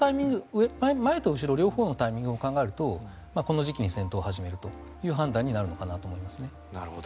前と後ろ両方のタイミングを考えるとこの時期に戦闘を始めるという判断になるのかなと思いますね。